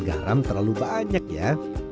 garam terlalu banyak ya